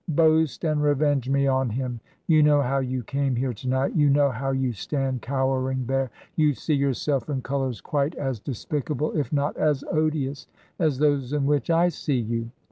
Boast, and revenge me on him I You know how you came here to night; you know how you stand cowering there; you see yourself in colors quite as despicable, if not as odious, as those in which I see you.